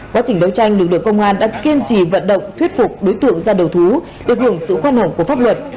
quá trình đấu tranh lực lượng công an đã kiên trì vận động thuyết phục đối tượng ra đầu thú được hưởng sự khoan hồng của pháp luật